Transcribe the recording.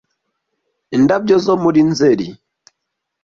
Indabyo zo muri Nzeri